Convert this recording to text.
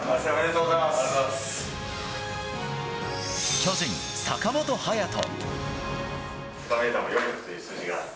巨人、坂本勇人。